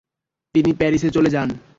তিনি প্যারিসে চলে যান।